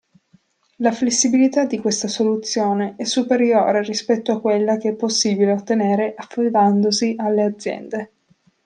La flessibilità di questa soluzione è superiore rispetto a quella che è possibile ottenere affidandosi alle aziende.